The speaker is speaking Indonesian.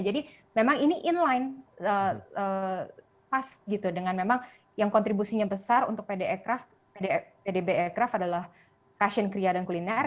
jadi memang ini inline pas dengan memang yang kontribusinya besar untuk pdb aircraft adalah fashion kriya dan kuliner